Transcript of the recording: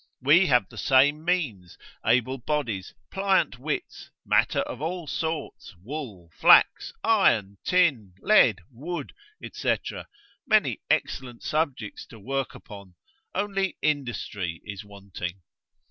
We have the same means, able bodies, pliant wits, matter of all sorts, wool, flax, iron, tin, lead, wood, &c., many excellent subjects to work upon, only industry is wanting.